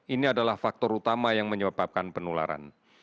ini adalah faktor utama yang menyebabkan penularan